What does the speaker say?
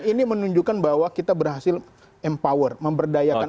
ini menunjukkan bahwa kita berhasil empower memberdayakan